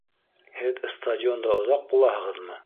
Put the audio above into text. Һеҙ стадионда оҙаҡ булаһығыҙмы?